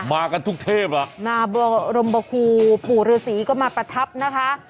มากันทุกเทพอ่ะมารมบคูปู่ฤษีก็มาประทับนะคะ